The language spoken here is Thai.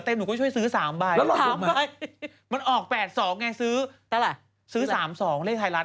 นั่งทำผมมาตลอด